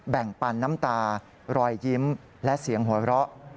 ปันน้ำตารอยยิ้มและเสียงหัวเราะ